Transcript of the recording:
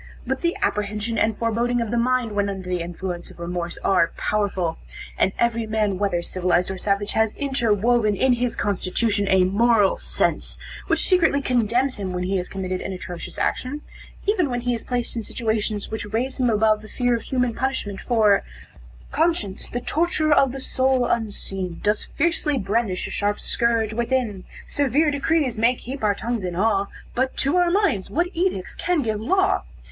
But the apprehension and foreboding of the mind, when under the influence of remorse, are powerful, and every man, whether civilized or savage, has interwoven in his constitution a moral sense, which secretly condemns him when he has committed an atrocious action, even when he is placed in situations which raise him above the fear of human punishment, for "Conscience, the torturer of the soul, unseen. Does fiercely brandish a sharp scourge within; Severe decrees may keep our tongues in awe, But to our minds what edicts can give law?